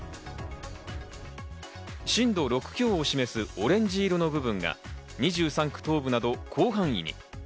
震度６強を示すオレンジ色の部分が２３区東部など広範囲に。